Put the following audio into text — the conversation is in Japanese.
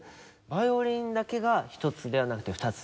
ヴァイオリンだけが１つではなくて２つなんですね。